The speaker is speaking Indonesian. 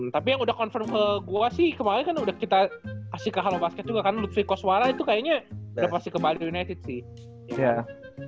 tapi yang udah confirm ke gue sih kemarin kan udah kita kasih ke halo basket juga karena lutfi koswara itu kayaknya udah pasti ke bali united sih